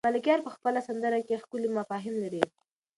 ملکیار په خپله سندره کې ښکلي مفاهیم لري.